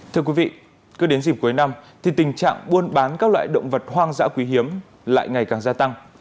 thưa quý vị cứ đến dịp cuối năm thì tình trạng buôn bán các loại động vật hoang dã quý hiếm lại ngày càng gia tăng